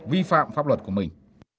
vi phạm pháp luật của mình